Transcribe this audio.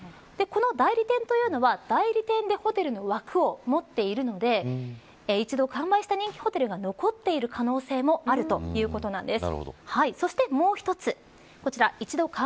この代理店というのは代理店でホテルの枠を持っているので一度完売したホテルが残ってる可能性もあるということです。